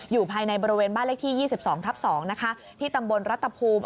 อยู่ภายในบริเวณบ้านเล็กที่๒๒ทับ๒ที่ตำบลรัตฎาภูมิ